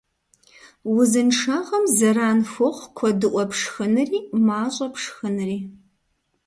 Узыншагъэм зэран хуохъу куэдыӀуэ пшхынри мащӀэ пшхынри.